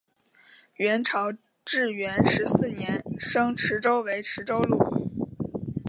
元朝至元十四年升池州为池州路。